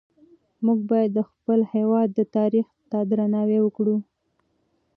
موږ باید د خپل هېواد تاریخ ته درناوی وکړو.